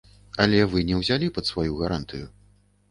Але вы не ўзялі пад сваю гарантыю.